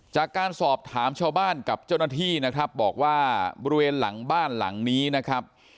จากการสอบถามชาวบ้านกับเจ้าหน้าที่นะครับบอกว่าบริเวณหลังบ้านหลังนี้นะครับ